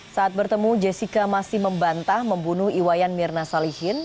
saat bertemu jessica masih membantah membunuh iwayan mirna salihin